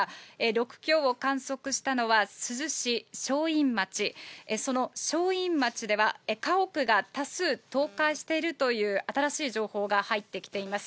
６強を観測したのは珠洲市正院町、その正院町では、家屋が多数、倒壊しているという新しい情報が入ってきています。